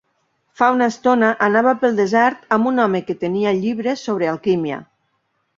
Fa una estona, anava pel desert amb un home que tenia llibres sobre alquímia.